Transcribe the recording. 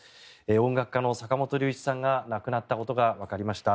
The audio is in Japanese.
音楽家の坂本龍一さんが亡くなったことがわかりました。